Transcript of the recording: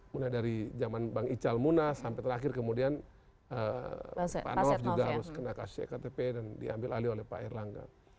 mulai dari zaman bang ical muna sampai terakhir kemudian pak arnav juga harus kena kasus ektp dan diambil alih oleh pak air langgan